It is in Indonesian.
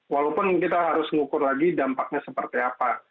walaupun kita harus ngukur lagi dampaknya seperti apa